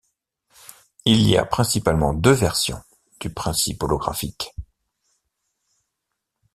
Il y a principalement deux versions du principe holographique.